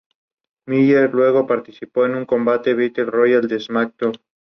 Está considerada como uno de los más importantes ejemplos del Barroco tardío o Rococó.